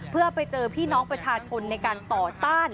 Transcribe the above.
เพื่อไปเจอพี่น้องประชาชนในการต่อต้าน